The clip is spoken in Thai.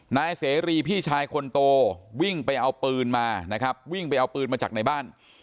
นายเสรีพี่ชายคนโตวิ่งไปเอาปืนมานะครับวิ่งไปเอาปืนมาจากในบ้าน